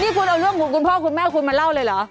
นี่คุณเอาเรื่องของคุณพ่อคุณแม่คุณมาเล่าเลยเหรอ